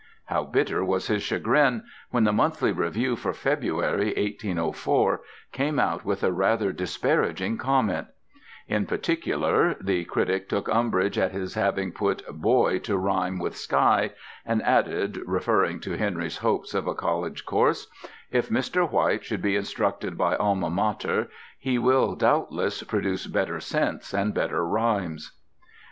How bitter was his chagrin when the Monthly Review for February, 1804, came out with a rather disparaging comment: in particular the critic took umbrage at his having put boy to rhyme with sky, and added, referring to Henry's hopes of a college course, "If Mr. White should be instructed by alma mater, he will, doubtless, produce better sense and better rhymes."